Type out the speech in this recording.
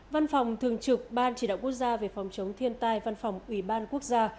văn phòng thường trực ban chỉ đạo quốc gia về phòng chống thiên tai văn phòng ủy ban quốc gia